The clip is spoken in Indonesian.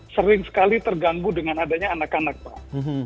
sering sekali terganggu dengan adanya anak anak pak